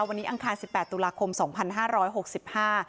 วันนี้อังคารสิบแปดตุลาคมสองพันห้าร้อยหกสิบห้า